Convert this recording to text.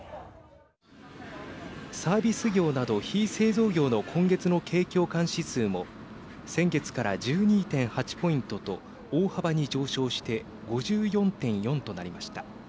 サービス業など非製造業の今月の景況感指数も先月から１２．８ポイントと大幅に上昇して５４．４となりました。